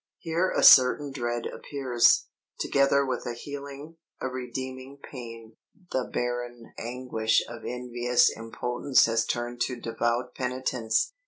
Here a certain dread appears, together with a healing, a redeeming pain. The barren anguish of envious impotence has turned to devout penitence.